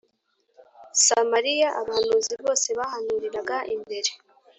Samariya Abahanuzi bose bahanuriraga imbere